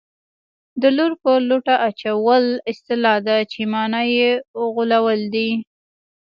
د لور په لوټه اچول اصطلاح ده چې مانا یې غولول دي